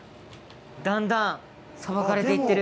だんだんさばかれて行ってる。